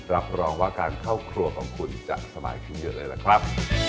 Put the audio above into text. รับรองว่าการเข้าครัวของคุณจะสบายขึ้นเยอะเลยล่ะครับ